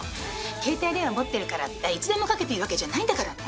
携帯電話持ってるからっていつでもかけていいわけじゃないんだからね。